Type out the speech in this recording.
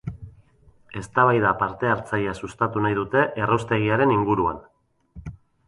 Eztabaida parte hartzailea sustatu nahi dute erraustegiaren inguruan.